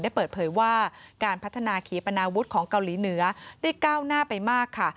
เปิดเผยว่าการพัฒนาขีปนาวุฒิของเกาหลีเหนือได้ก้าวหน้าไปมากค่ะ